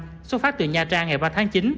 tàu snt bảy xuất phát từ nha trang ngày ba tháng chín